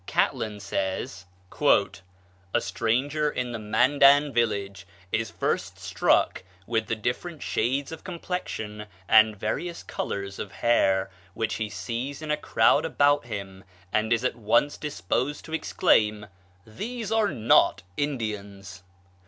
Catlin says: "A stranger in the Mandan village is first struck with the different shades of complexion and various colors of hair which he sees in a crowd about him, and is at once disposed to exclaim, 'These are not Indians.'